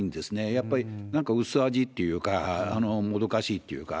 やっぱりなんか薄味っていうか、もどかしいっていうか、